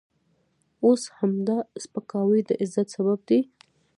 اوس همدا سپکاوی د عزت سبب دی.